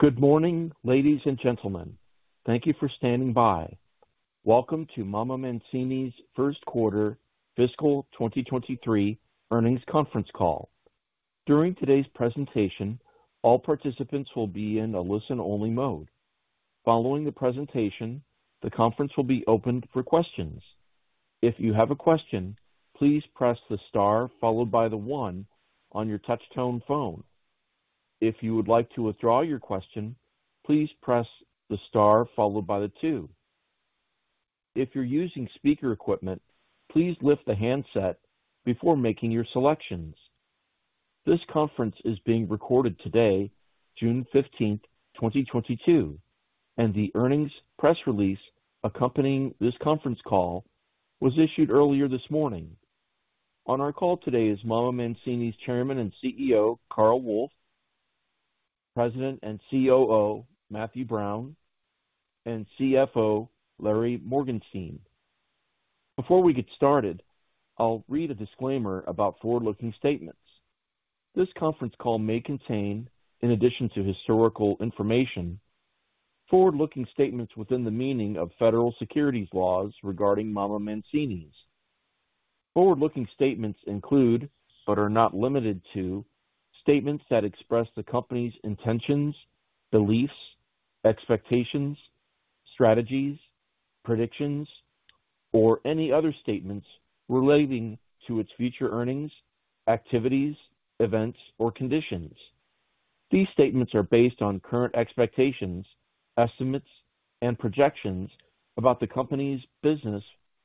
Good morning ladies and gentlemen. Thank you for standing by. Welcome to MamaMancini's First Quarter Fiscal 2023 Earnings Conference Call. During today's presentation, all participants will be in a listen-only mode. Following the presentation, the conference will be opened for questions. If you have a question, please press the star followed by the one on your touchtone phone. If you would like to withdraw your question, please press the star followed by the two. If you're using speaker equipment, please lift the handset before making your selections. This conference is being recorded today, June 15th, 2022, and the earnings press release accompanying this conference call was issued earlier this morning. On our call today is MamaMancini's Chairman and CEO, Carl Wolf, President and COO, Matthew Brown, and CFO, Larry Morgenstein. Before we get started, I'll read a disclaimer about forward-looking statements. This conference call may contain, in addition to historical information, forward-looking statements within the meaning of federal securities laws regarding MamaMancini's. Forward-looking statements include, but are not limited to, statements that express the company's intentions, beliefs, expectations, strategies, predictions, or any other statements relating to its future earnings, activities, events, or conditions. These statements are based on current expectations, estimates, and projections about the company's business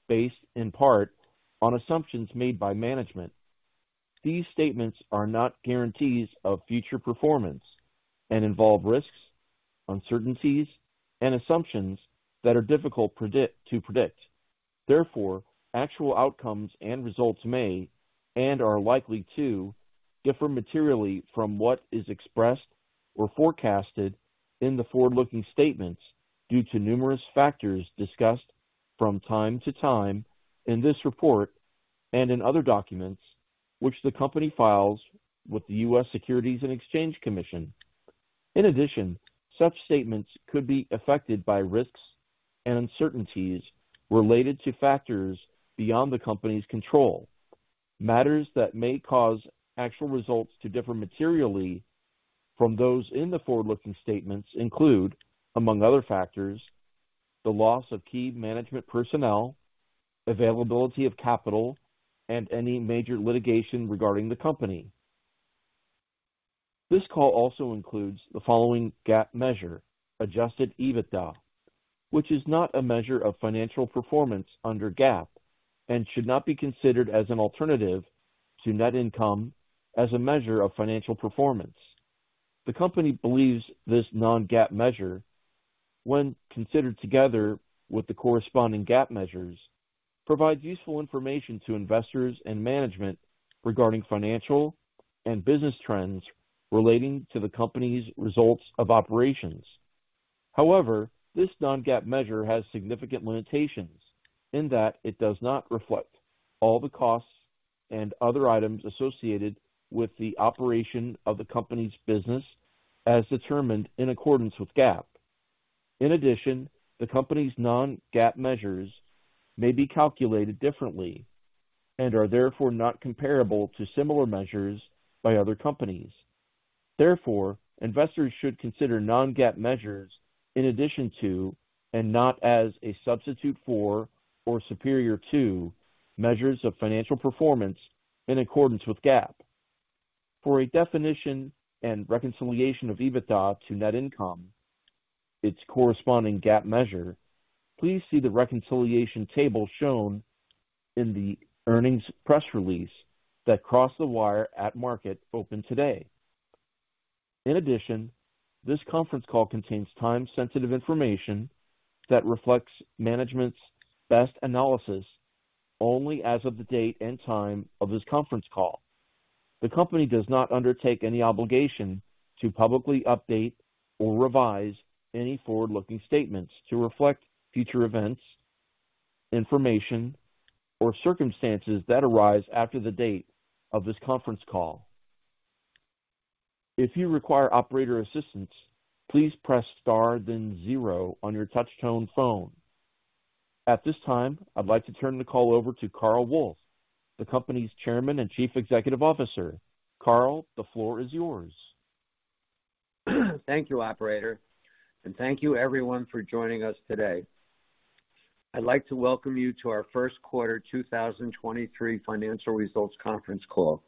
based in part on assumptions made by management. These statements are not guarantees of future performance and involve risks, uncertainties, and assumptions that are difficult to predict. Therefore, actual outcomes and results may, and are likely to, differ materially from what is expressed or forecasted in the forward-looking statements due to numerous factors discussed from time to time in this report and in other documents which the company files with the U.S. Securities and Exchange Commission. In addition, such statements could be affected by risks and uncertainties related to factors beyond the company's control. Matters that may cause actual results to differ materially from those in the forward-looking statements include, among other factors, the loss of key management personnel, availability of capital, and any major litigation regarding the company. This call also includes the following GAAP measure, Adjusted EBITDA, which is not a measure of financial performance under GAAP and should not be considered as an alternative to net income as a measure of financial performance. The company believes this non-GAAP measure, when considered together with the corresponding GAAP measures, provide useful information to investors and management regarding financial and business trends relating to the company's results of operations. However, this non-GAAP measure has significant limitations in that it does not reflect all the costs and other items associated with the operation of the company's business as determined in accordance with GAAP. In addition, the company's non-GAAP measures may be calculated differently and are therefore not comparable to similar measures by other companies. Therefore, investors should consider non-GAAP measures in addition to and not as a substitute for or superior to measures of financial performance in accordance with GAAP. For a definition and reconciliation of EBITDA to net income, its corresponding GAAP measure, please see the reconciliation table shown in the earnings press release that crossed the wire at market open today. In addition, this conference call contains time-sensitive information that reflects management's best analysis only as of the date and time of this conference call. The company does not undertake any obligation to publicly update or revise any forward-looking statements to reflect future events, information, or circumstances that arise after the date of this conference call. If you require operator assistance, please press star, then zero on your touchtone phone. At this time, I'd like to turn the call over to Carl Wolf, the company's Chairman and Chief Executive Officer. Carl, the floor is yours. Thank you operator and thank you everyone for joining us today. I'd like to welcome you to our first quarter 2023 financial results conference call.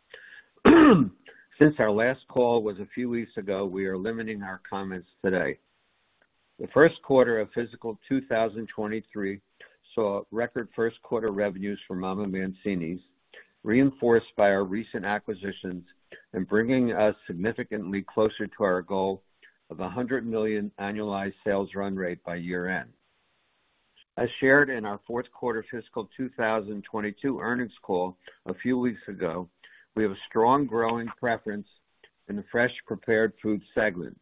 Since our last call was a few weeks ago, we are limiting our comments today. The first quarter of fiscal 2023 saw record first quarter revenues for MamaMancini's, reinforced by our recent acquisitions and bringing us significantly closer to our goal of $100 million annualized sales run rate by year-end. As shared in our fourth quarter fiscal 2022 earnings call a few weeks ago, we have a strong growing preference in the fresh prepared food segment.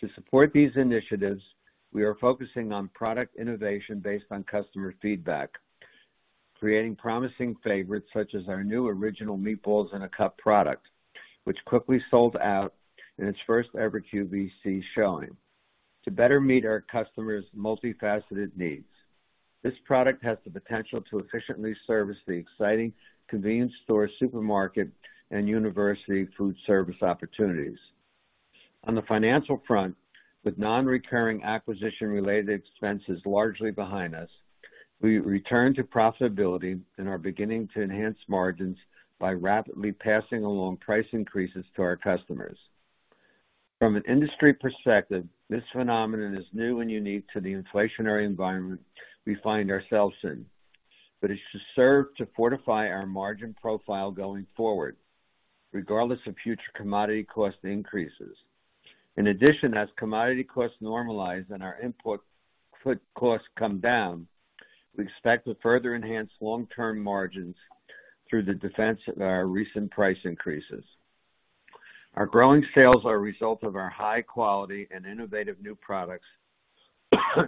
To support these initiatives, we are focusing on product innovation based on customer feedback. Creating promising favorites such as our new Original Meatballs in a Cup product, which quickly sold out in its first ever QVC showing to better meet our customers' multifaceted needs. This product has the potential to efficiently service the exciting convenience store, supermarket, and university food service opportunities. On the financial front, with non-recurring acquisition-related expenses largely behind us, we returned to profitability and are beginning to enhance margins by rapidly passing along price increases to our customers. From an industry perspective, this phenomenon is new and unique to the inflationary environment we find ourselves in, but is to serve to fortify our margin profile going forward, regardless of future commodity cost increases. In addition, as commodity costs normalize and our input costs come down, we expect to further enhance long-term margins through the defense of our recent price increases. Our growing sales are a result of our high quality and innovative new products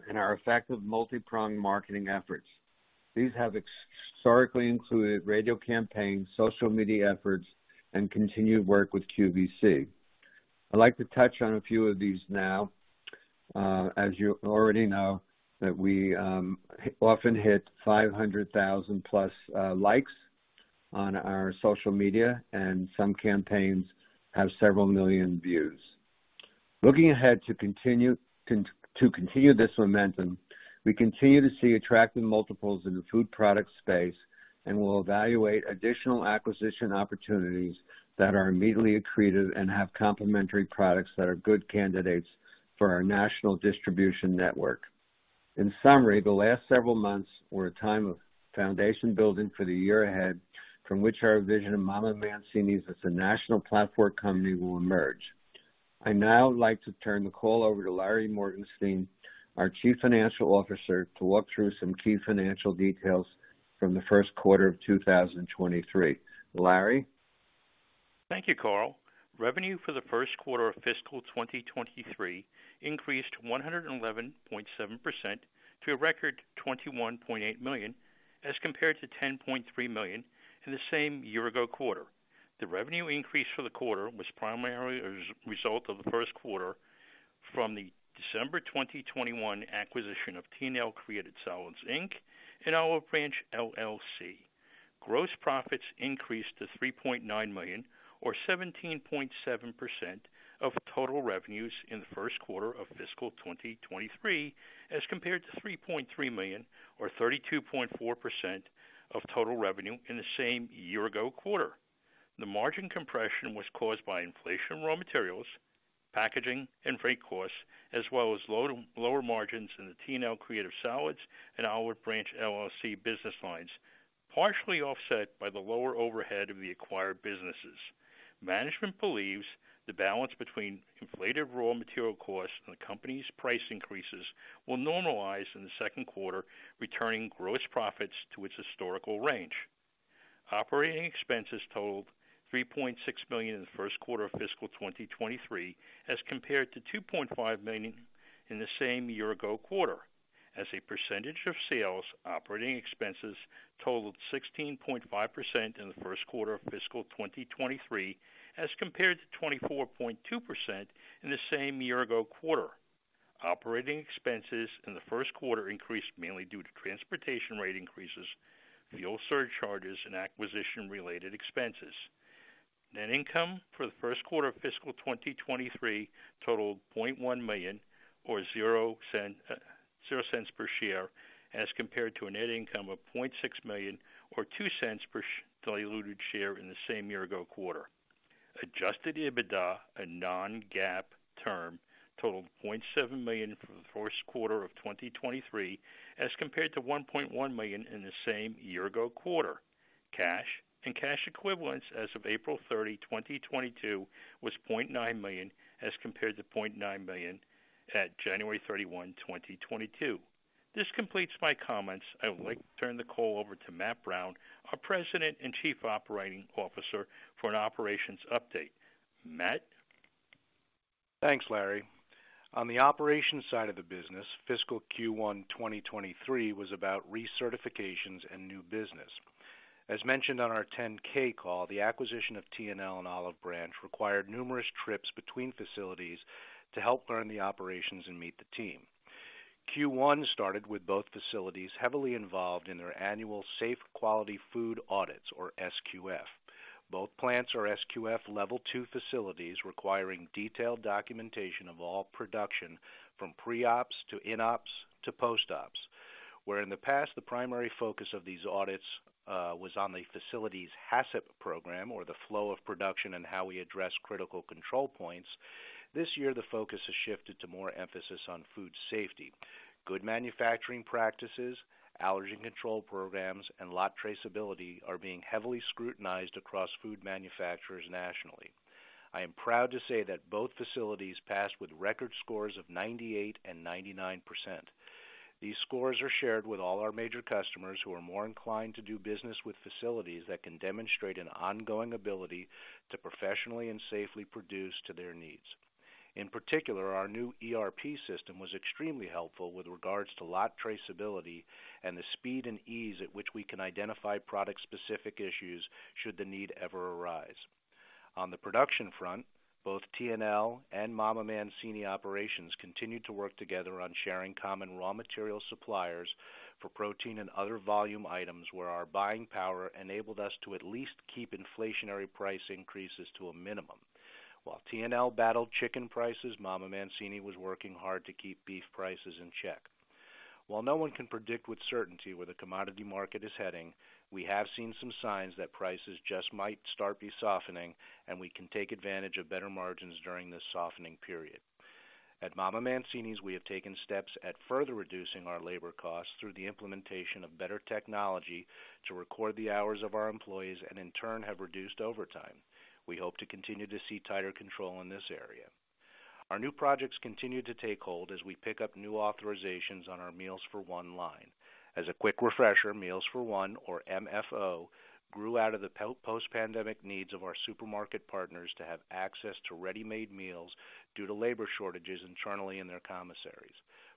and our effective multipronged marketing efforts. These have historically included radio campaigns, social media efforts, and continued work with QVC. I'd like to touch on a few of these now. As you already know, we often hit 500,000+ likes on our social media, and some campaigns have several million views. Looking ahead to continue this momentum, we continue to see attractive multiples in the food product space, and we'll evaluate additional acquisition opportunities that are immediately accretive and have complementary products that are good candidates for our national distribution network. In summary, the last several months were a time of foundation building for the year ahead from which our vision of MamaMancini's as a national platform company will emerge. I'd now like to turn the call over to Larry Morgenstein, our Chief Financial Officer, to walk through some key financial details from the first quarter of 2023. Larry? Thank you Carl. Revenue for the first quarter of fiscal 2023 increased 111.7% to a record $21.8 million, as compared to $10.3 million in the same year-ago quarter. The revenue increase for the quarter was primarily a result of the first quarter from the December 2021 acquisition of T&L Creative Salads, Inc. and Olive Branch, LLC. Gross profits increased to $3.9 million or 17.7% of total revenues in the first quarter of fiscal 2023, as compared to $3.3 million or 32.4% of total revenue in the same year-ago quarter. The margin compression was caused by inflation of raw materials, packaging, and freight costs, as well as lower margins in the T&L Creative Salads and Olive Branch, LLC business lines, partially offset by the lower overhead of the acquired businesses. Management believes the balance between inflated raw material costs and the company's price increases will normalize in the second quarter, returning gross profits to its historical range. Operating expenses totaled $3.6 million in the first quarter of fiscal 2023, as compared to $2.5 million in the same year-ago quarter. As a percentage of sales, operating expenses totaled 16.5% in the first quarter of fiscal 2023, as compared to 24.2% in the same year-ago quarter. Operating expenses in the first quarter increased mainly due to transportation rate increases, fuel surcharges, and acquisition-related expenses. Net income for the first quarter of fiscal 2023 totaled $0.1 million or $0.00 per share, as compared to a net income of $0.6 million or $0.02 per diluted share in the same year-ago quarter. Adjusted EBITDA, a non-GAAP term, totaled $0.7 million for the first quarter of 2023, as compared to $1.1 million in the same year-ago quarter. Cash and cash equivalents as of April 30, 2022 was $0.9 million, as compared to $0.9 million at January 31, 2022. This completes my comments. I would like to turn the call over to Matt Brown, our President and Chief Operating Officer, for an operations update. Matt? Thanks Larry. On the operations side of the business, fiscal Q1 2023 was about recertifications and new business. As mentioned on our 10-K call, the acquisition of T&L and Olive Branch required numerous trips between facilities to help learn the operations and meet the team. Q1 started with both facilities heavily involved in their annual Safe Quality Food audits, or SQF. Both plants are SQF level two facilities, requiring detailed documentation of all production from pre-ops to in-ops to post-ops, where in the past, the primary focus of these audits was on the facility's HACCP program or the flow of production and how we address critical control points. This year, the focus has shifted to more emphasis on food safety. Good manufacturing practices, allergen control programs, and lot traceability are being heavily scrutinized across food manufacturers nationally. I am proud to say that both facilities passed with record scores of 98% and 99%. These scores are shared with all our major customers who are more inclined to do business with facilities that can demonstrate an ongoing ability to professionally and safely produce to their needs. In particular, our new ERP system was extremely helpful with regards to lot traceability and the speed and ease at which we can identify product-specific issues should the need ever arise. On the production front, both T&L and MamaMancini's operations continued to work together on sharing common raw material suppliers for protein and other volume items where our buying power enabled us to at least keep inflationary price increases to a minimum. While T&L battled chicken prices, MamaMancini's was working hard to keep beef prices in check. While no one can predict with certainty where the commodity market is heading, we have seen some signs that prices just might start to be softening, and we can take advantage of better margins during this softening period. At MamaMancini's, we have taken steps to further reducing our labor costs through the implementation of better technology to record the hours of our employees and in turn have reduced overtime. We hope to continue to see tighter control in this area. Our new projects continue to take hold as we pick up new authorizations on our Meals for One line. As a quick refresher, Meals for One or MFO grew out of the post-pandemic needs of our supermarket partners to have access to ready-made meals due to labor shortages internally in their commissaries.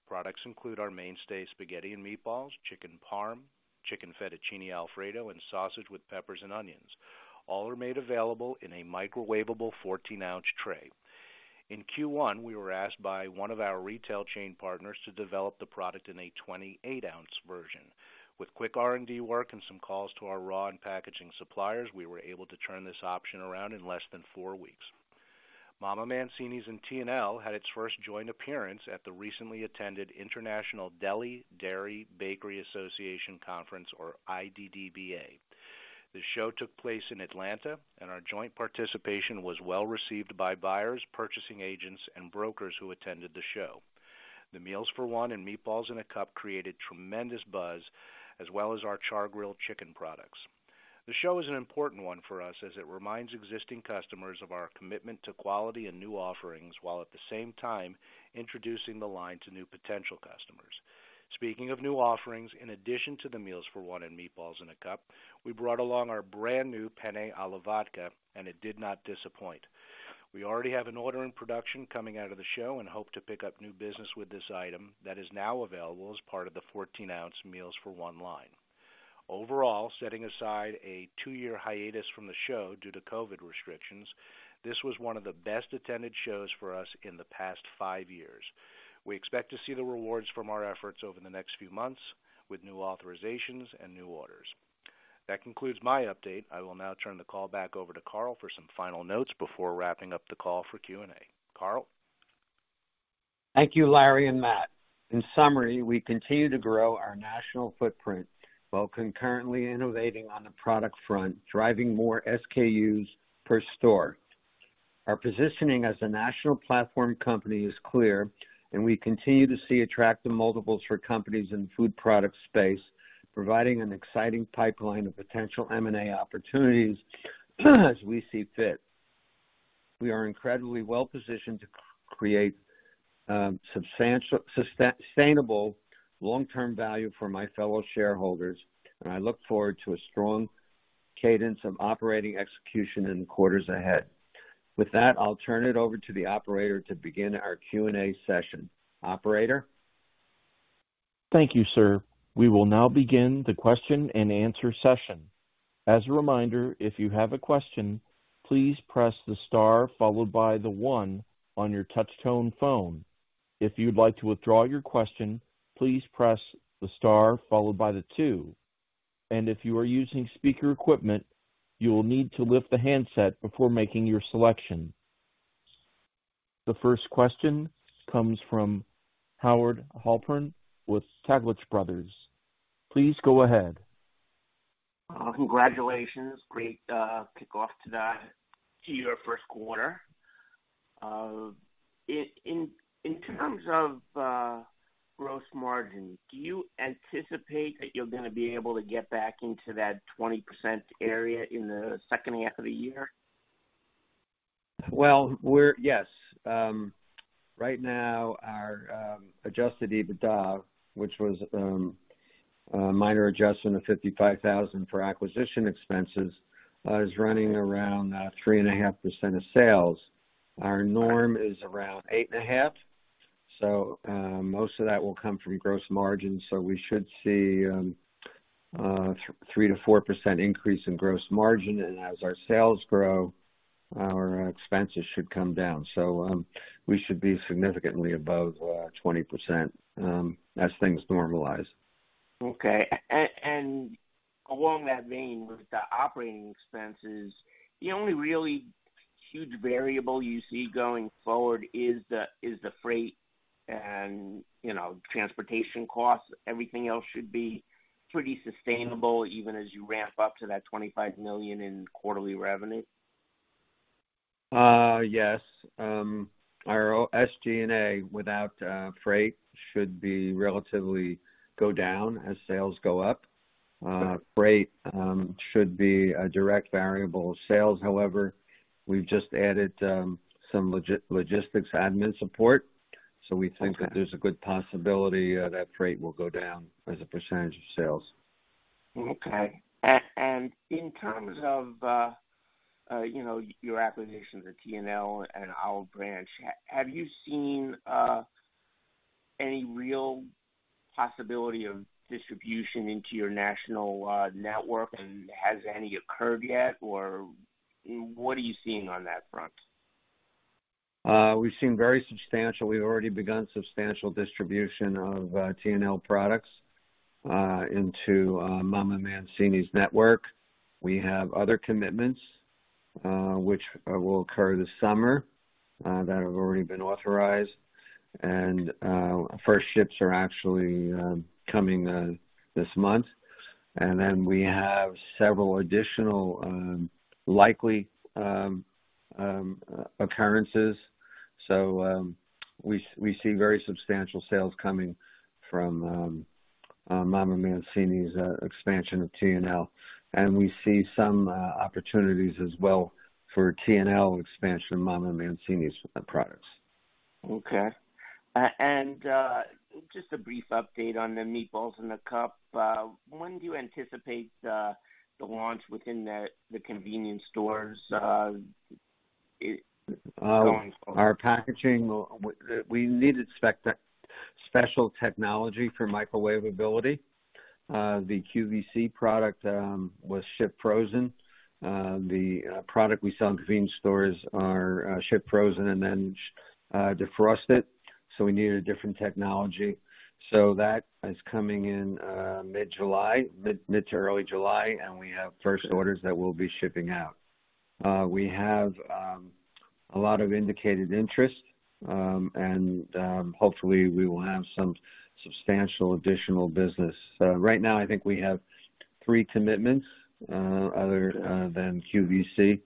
Products include our mainstay Spaghetti and Meatballs, Chicken Parm, Chicken Fettuccine Alfredo, and sausage with peppers and onions. All are made available in a microwavable 14-ounce tray. In Q1, we were asked by one of our retail chain partners to develop the product in a 28-ounce version. With quick R&D work and some calls to our raw and packaging suppliers, we were able to turn this option around in less than four weeks. MamaMancini's and T&L had its first joint appearance at the recently attended International Dairy Deli Bakery Association Conference or IDDBA. The show took place in Atlanta, and our joint participation was well received by buyers, purchasing agents, and brokers who attended the show. The Meals for One and Meatballs in a Cup created tremendous buzz, as well as our chargrilled chicken products. The show is an important one for us as it reminds existing customers of our commitment to quality and new offerings, while at the same time introducing the line to new potential customers. Speaking of new offerings, in addition to the Meals for One and Meatballs in a Cup, we brought along our brand new Penne alla Vodka, and it did not disappoint. We already have an order in production coming out of the show and hope to pick up new business with this item that is now available as part of the 14-ounce Meals for One line. Overall, setting aside a two-year hiatus from the show due to COVID restrictions, this was one of the best attended shows for us in the past five years. We expect to see the rewards from our efforts over the next few months with new authorizations and new orders. That concludes my update. I will now turn the call back over to Carl for some final notes before wrapping up the call for Q&A. Carl. Thank you Larry and Matt. In summary, we continue to grow our national footprint while concurrently innovating on the product front, driving more SKUs per store. Our positioning as a national platform company is clear, and we continue to see attractive multiples for companies in the food product space, providing an exciting pipeline of potential M&A opportunities as we see fit. We are incredibly well positioned to create sustainable long-term value for my fellow shareholders, and I look forward to a strong cadence of operating execution in quarters ahead. With that, I'll turn it over to the operator to begin our Q&A session. Operator? Thank you sir. We will now begin the question-and-answer session. As a reminder, if you have a question, please press the star followed by the one on your touch tone phone. If you'd like to withdraw your question, please press the star followed by the two. If you are using speaker equipment, you will need to lift the handset before making your selection. The first question comes from Howard Halpern with Taglich Brothers. Please go ahead. Congratulations. Great kickoff to your first quarter. In terms of gross margin, do you anticipate that you're gonna be able to get back into that 20% area in the second half of the year? Yes. Right now our Adjusted EBITDA, which was a minor adjustment of $55,000 for acquisition expenses, is running around 3.5% of sales. Our norm is around 8.5%, so most of that will come from gross margin. We should see 3%-4% increase in gross margin. As our sales grow, our expenses should come down. We should be significantly above 20%, as things normalize. Okay. Along that vein, with the operating expenses, the only really huge variable you see going forward is the freight and, you know, transportation costs. Everything else should be pretty sustainable even as you ramp up to that $25 million in quarterly revenue. Yes. Our SG&A without freight should be relatively go down as sales go up. Freight should be a direct variable of sales. However, we've just added some logistics admin support, so we think that there's a good possibility that freight will go down as a percentage of sales. Okay. In terms of, you know, your acquisitions of T&L and Olive Branch, have you seen any real possibility of distribution into your national network? Has any occurred yet, or what are you seeing on that front? We've seen very substantial. We've already begun substantial distribution of T&L products into MamaMancini's network. We have other commitments which will occur this summer that have already been authorized. First shipments are actually coming this month. We have several additional likely appearances. We see very substantial sales coming from MamaMancini's expansion of T&L, and we see some opportunities as well for T&L expansion of MamaMancini's with their products. Just a brief update on the Meatballs in the Cup. When do you anticipate the launch within the convenience stores going forward? Our packaging will. We needed special technology for microwave ability. The QVC product was shipped frozen. The product we sell in convenience stores are shipped frozen and then defrosted, so we need a different technology. That is coming in mid to early July, and we have first orders that we'll be shipping out. We have a lot of indicated interest, and hopefully we will have some substantial additional business. Right now I think we have three commitments other than QVC.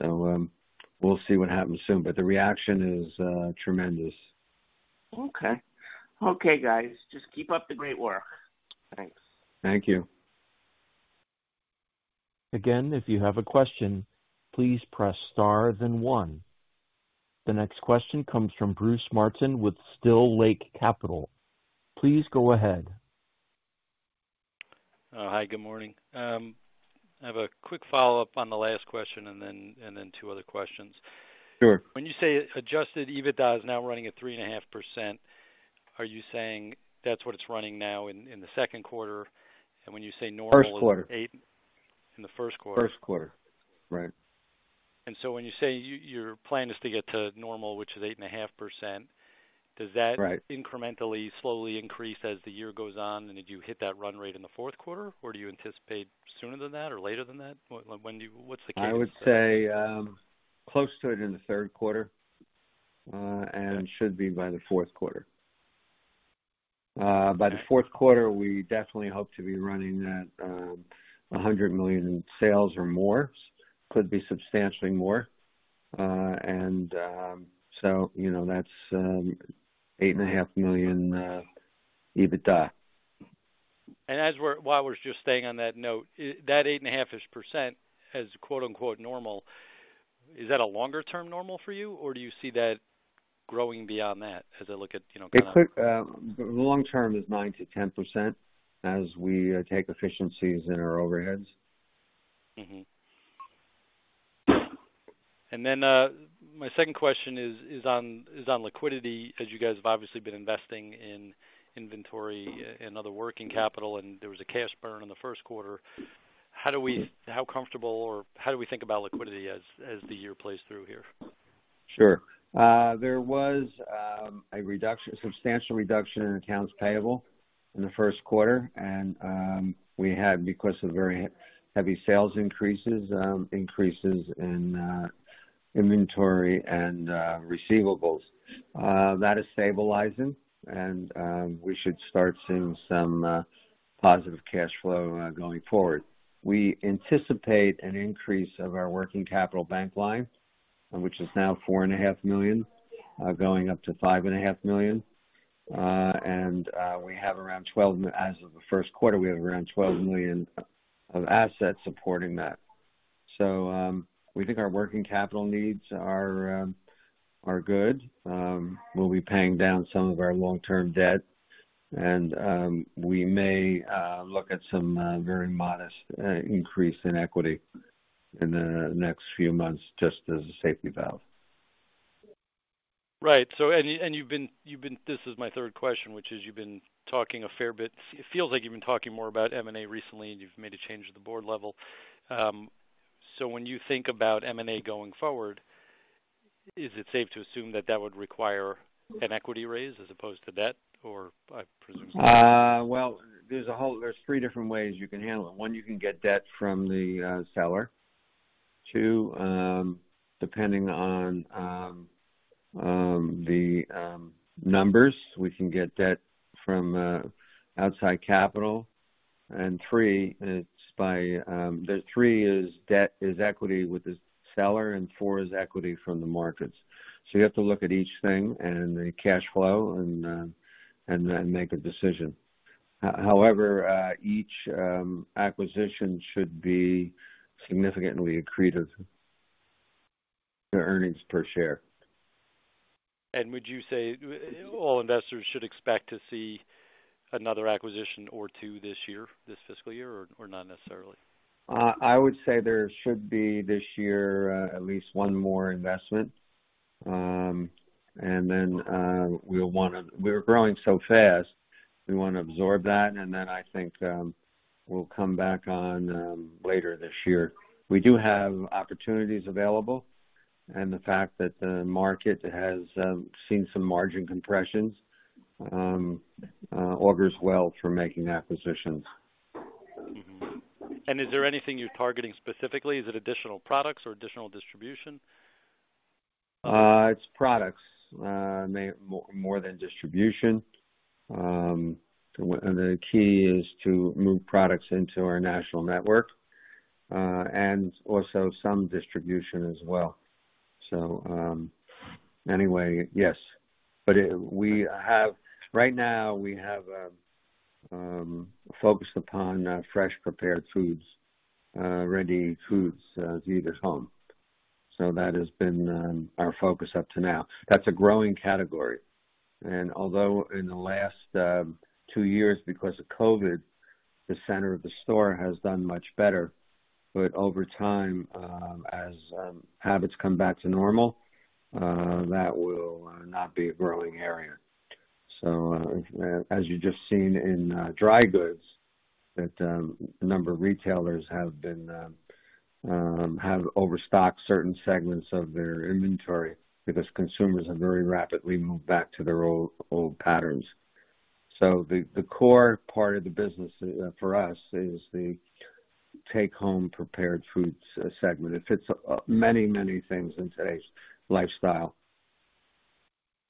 We'll see what happens soon, but the reaction is tremendous. Okay. Okay, guys. Just keep up the great work. Thanks. Thank you. Again, if you have a question, please press Star then one. The next question comes from Bruce Martin with Still Lake Capital. Please go ahead. Hi, good morning. I have a quick follow-up on the last question and then two other questions. Sure. When you say Adjusted EBITDA is now running at 3.5%, are you saying that's what it's running now in the second quarter? When you say normal. First quarter. In the first quarter. First quarter. Right. When you say your plan is to get to normal, which is 8.5%, does that Right. Incrementally slowly increase as the year goes on, and did you hit that run rate in the fourth quarter, or do you anticipate sooner than that or later than that? What's the case? I would say, close to it in the third quarter, and should be by the fourth quarter. By the fourth quarter, we definitely hope to be running at $100 million in sales or more. Could be substantially more. You know, that's $8.5 million EBITDA. While we're just staying on that note, that 8.5%-ish as quote-unquote normal, is that a longer-term normal for you, or do you see that growing beyond that as I look at, you know, kinda? A quick, long term is 9%-10% as we take efficiencies in our overheads. My second question is on liquidity, as you guys have obviously been investing in inventory and other working capital, and there was a cash burn in the first quarter. How comfortable or how do we think about liquidity as the year plays through here? Sure. There was a substantial reduction in accounts payable in the first quarter. We had, because of very heavy sales increases in inventory and receivables. That is stabilizing. We should start seeing some positive cash flow going forward. We anticipate an increase of our working capital bank line, which is now $4.5 million, going up to $5.5 million. As of the first quarter, we have around $12 million of assets supporting that. We think our working capital needs are good. We'll be paying down some of our long-term debt. We may look at some very modest increase in equity in the next few months just as a safety valve. Right. This is my third question, which is you've been talking a fair bit. It feels like you've been talking more about M&A recently, and you've made a change at the board level. When you think about M&A going forward, is it safe to assume that that would require an equity raise as opposed to debt or I presume? Well, there's three different ways you can handle it. One, you can get debt from the seller. Two, depending on the numbers, we can get debt from outside capital. Three, debt or equity with the seller, and four is equity from the markets. You have to look at each thing and the cash flow and make a decision. However, each acquisition should be significantly accretive. The earnings per share. Would you say all investors should expect to see another acquisition or two this year, this fiscal year, or not necessarily? I would say there should be this year at least one more investment. We are growing so fast, we wanna absorb that. I think we'll come back on later this year. We do have opportunities available, and the fact that the market has seen some margin compressions augurs well for making acquisitions. Is there anything you're targeting specifically? Is it additional products or additional distribution? It's products more than distribution. The key is to move products into our national network, and also some distribution as well. Anyway, yes. Right now, we have focused upon fresh prepared foods, ready foods to eat at home. That has been our focus up to now. That's a growing category. Although in the last two years, because of COVID, the center of the store has done much better. Over time, as habits come back to normal, that will not be a growing area. As you've just seen in dry goods, a number of retailers have overstocked certain segments of their inventory because consumers have very rapidly moved back to their old patterns. The core part of the business for us is the take-home prepared foods segment. It fits many, many things in today's lifestyle.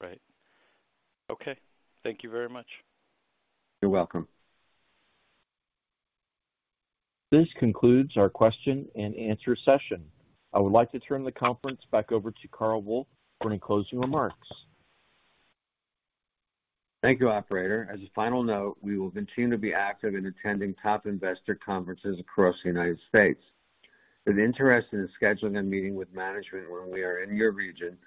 Right. Okay. Thank you very much. You're welcome. This concludes our question and answer session. I would like to turn the conference back over to Carl Wolf for any closing remarks. Thank you operator. As a final note, we will continue to be active in attending top investor conferences across the United States. If you're interested in scheduling a meeting with management when we are in your region,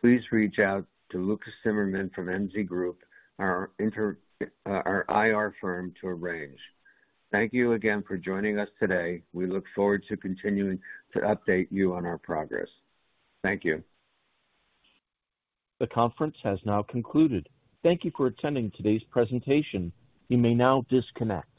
please reach out to Luke Zimmerman from MZ Group, our IR firm to arrange. Thank you again for joining us today. We look forward to continuing to update you on our progress. Thank you. The conference has now concluded. Thank you for attending today's presentation. You may now disconnect.